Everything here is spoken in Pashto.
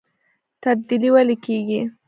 تبدیلي ولې کیږي؟